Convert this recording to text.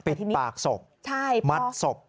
ปิดปากศพมัดศพ